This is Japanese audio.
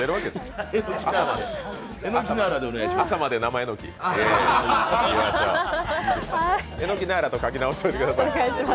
えのきナーラと書き直しておいてください。